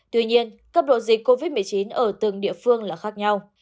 tuy nhiên cấp độ dịch covid một mươi chín ở từng địa phương là khác nhau